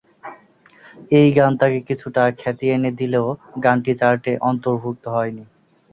এই গান তাকে কিছুটা খ্যাতি এনে দিলেও গানটি চার্টে অন্তর্ভুক্ত হয়নি।